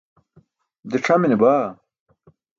je c̣hamine baa